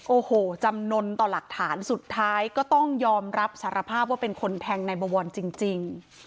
โอ้โหจำนวนต่อหลักฐานสุดท้ายก็ต้องยอมรับสารภาพว่าเป็นคนแทงนายบวรจริง